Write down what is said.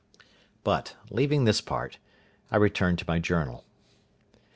But, leaving this part, I return to my Journal.